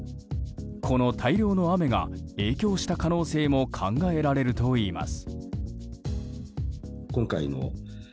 この大量の雨が影響した可能性も考えられるといいます。